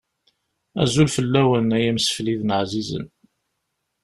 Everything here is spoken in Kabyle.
Azul fell-awen, ay imesfliden εzizen.